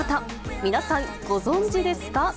皆さん、ご存じですか。